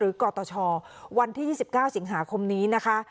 กตชวันที่๒๙สิงหาคมนี้นะคะ